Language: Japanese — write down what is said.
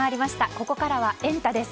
ここからはエンタ！です。